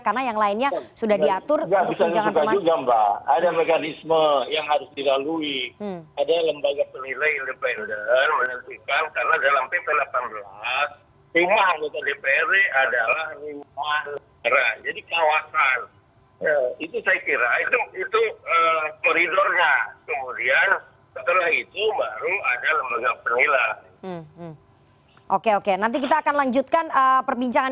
karena yang lainnya sudah diatur untuk tunjangan perumahan